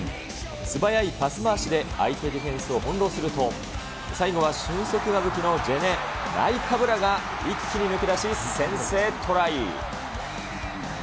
素早いパス回しで相手ディフェンスを翻弄すると、最後は俊足が武器のジョネ・ナイカブラが一気に抜け出し先制トライ。